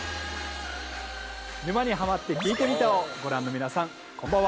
「沼にハマってきいてみた」をご覧の皆さん、こんばんは。